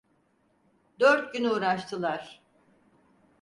Dört gün uğraştılar…